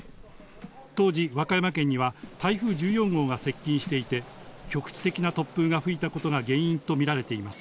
当時、和歌山県には台風１４号が接近していて、局地的な突風が吹いたことが原因と見られています。